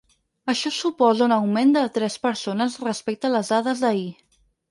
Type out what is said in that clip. Això suposa un augment de tres persones respecte a les dades d’ahir.